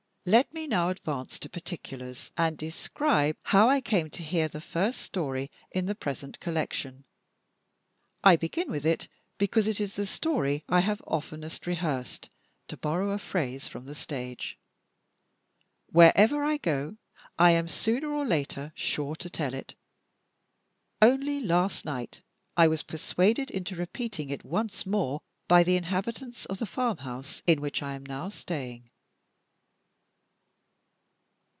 Let me now advance to particulars, and describe how I came to hear the first story in the present collection. I begin with it because it is the story that I have oftenest "rehearsed," to borrow a phrase from the stage. Wherever I go, I am sooner or later sure to tell it. Only last night, I was persuaded into repeating it once more by the inhabitants of the farmhouse in which I am now staying.